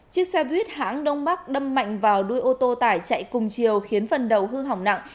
chiếc xe buýt hãng đông bắc đâm mạnh vào đuôi ô tô tải chạy cùng chiều khiến phần đầu hư hỏng nặng